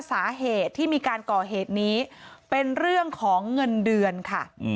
สาเหตุที่มีการก่อเหตุนี้เป็นเรื่องของเงินเดือนค่ะ